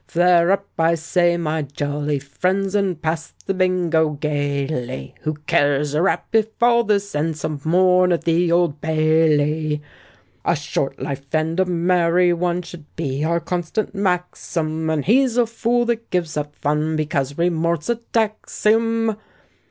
Flare up, I say, my jolly friends, And pass the bingo gaily;— Who cares a rap if all this ends Some morn at the Old Bailey? "A short life and a merry one" Should be our constant maxim; And he's a fool that gives up fun Because remorse attacks him.